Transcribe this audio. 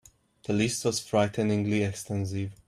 The list was frighteningly extensive.